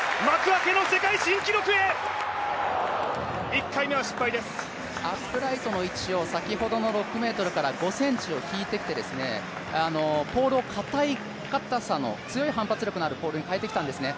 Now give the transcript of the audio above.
アップライトの位置を先ほどの６ｍから５ｃｍを引いてきて、ポールのかたさを強い反発力のあるものに変えてきたんですね。